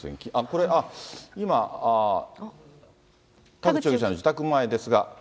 これ、今、田口容疑者の自宅前ですが。